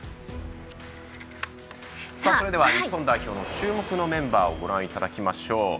それでは日本代表の注目のメンバーをご覧いただきましょう。